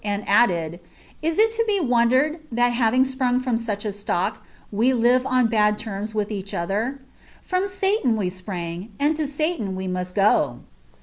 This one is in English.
and added, " Is it to be iili rcd, that having sprung from such a stock, we live on bad terras i nch other ? From Satan we sprang, and to Satan we must go."